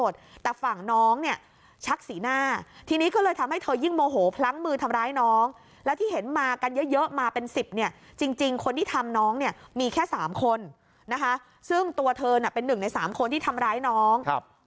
ซึ่งตัวเธอน่ะเป็นหนึ่งในสามคนที่ทำร้ายน้อง